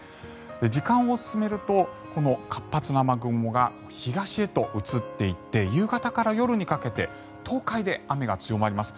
時間を進めるとこの活発な雨雲が東へと移っていって夕方から夜にかけて東海で雨が強まります。